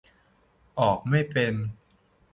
ออกไม่เป็น